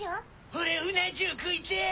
俺うな重食いてぇ！